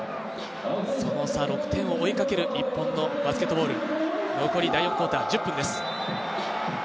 その差６点を追いかける日本のバスケットボール、残り第４クオーター、１０分です。